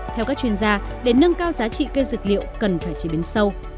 theo các chuyên gia để nâng cao giá trị cây dược liệu cần phải chế biến sâu